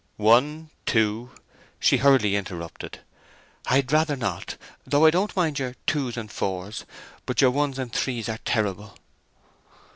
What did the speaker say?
"One, two—" She hurriedly interrupted: "I'd rather not; though I don't mind your twos and fours; but your ones and threes are terrible!"